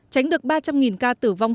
tránh được ba trăm linh ca tử vong